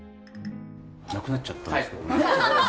なくなっちゃったんですけど。